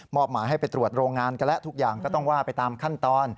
หมายให้ไปตรวจโรงงานกันแล้วทุกอย่างก็ต้องว่าไปตามขั้นตอน